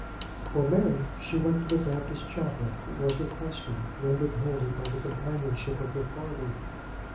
For Mary, she went to the Baptist chapel; it was her custom, rendered holy by the companionship of her father.